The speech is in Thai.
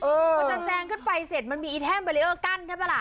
พอจะแซงขึ้นไปเสร็จมันมีอีแท่งเบรีเออร์กั้นใช่ปะล่ะ